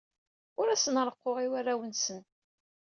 Ur asen-reqquɣ i warraw-nsen.